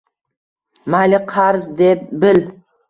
Mayli, qarz deb bil